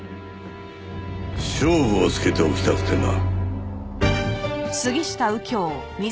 勝負をつけておきたくてな。